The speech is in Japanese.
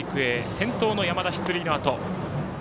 先頭の山田、出塁のあと。